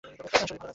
শরীর ভালো লাগছে?